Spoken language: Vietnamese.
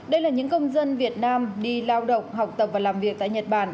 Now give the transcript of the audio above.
đây là những công dân việt nam đi lao động học tập và làm việc tại nhật bản